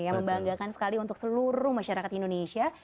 yang membanggakan sekali untuk seluruh masyarakat indonesia